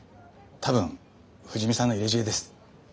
多分藤見さんの入れ知恵です。